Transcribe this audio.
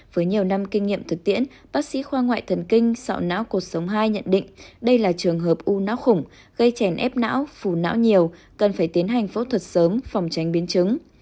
với nhiều năm kinh nghiệm thực tiễn bác sĩ khoa ngoại thần kinh sọ não cuộc sống hai nhận định đây là trường hợp u não khủng gây chèn ép não phù não nhiều cần phải tiến hành phẫu thuật sớm phòng tránh biến chứng